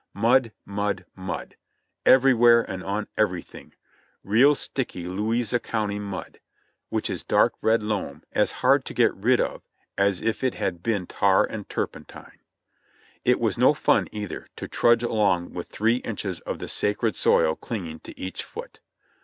Mud ! Mud ! Mud ! Everywhere and on everything — real sticky Louisa County mud, which is dark red loam, as hard to get rid of as if it had been tar and turpentine. It was no fun, either, to trudge along with three inches of the sacred soil clinging to each foot.